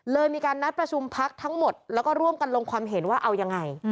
มีการนัดประชุมพักทั้งหมดแล้วก็ร่วมกันลงความเห็นว่าเอายังไง